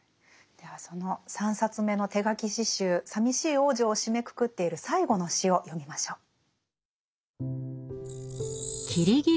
ではその３冊目の手書き詩集「さみしい王女」を締めくくっている最後の詩を読みましょう。